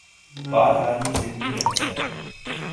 بہرحال یہ ضمنی بحث ہے۔